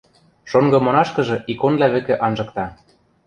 Шонгы монашкыжы иконвлӓ вӹкӹ анжыкта.